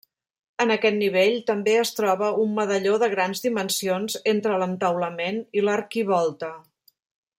En aquest nivell també es troba un medalló de grans dimensions entre l'entaulament i l'arquivolta.